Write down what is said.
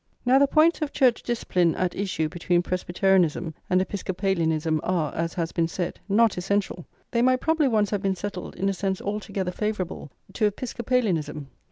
Now the points of church discipline at issue between Presbyterianism and Episcopalianism are, as has been said, not essential. They might probably once have been settled in a sense altogether favourable to Episcopalianism.